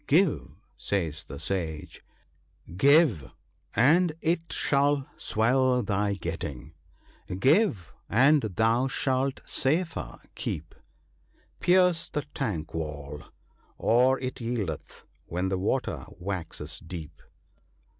Give, says the sage — "Give, and it shall swell thy getting; give, and thou shalt safer keep : Pierce the tank wall ; or it yieldeth, when the water waxes deep."